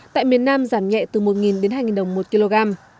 tại miền nam giảm nhẹ từ một đến hai đồng một kg